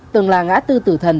từng là ngã tư tử thần